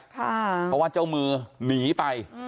เพราะว่าเจ้ามือหนีไป